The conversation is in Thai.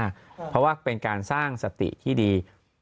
อันนี้สำคัญมากเพราะว่าเป็นการสร้างสติที่ดี